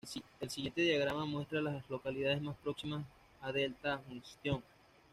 El siguiente diagrama muestra a las localidades más próximas a Delta Junction.